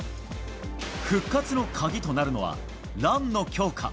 復活の鍵となるのはランの強化。